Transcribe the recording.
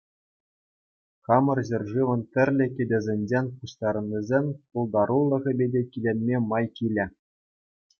Хамӑр ҫӗршывӑн тӗрлӗ кӗтесӗнчен пуҫтарӑннисен пултарулӑхӗпе те киленме май килӗ.